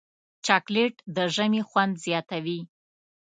چاکلېټ د ژمي خوند زیاتوي.